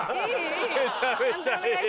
めちゃめちゃいい。